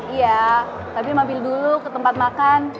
iya tapi mampir dulu ke tempat makan